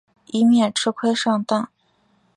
以免吃亏上当